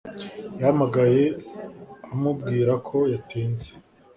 Yahamagaye amubwira ko yatinze.